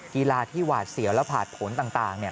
กีฬาที่หวาดเสียวและผ่านผลต่าง